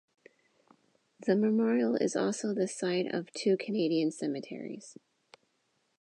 The Memorial is also the site of two Canadian cemeteries.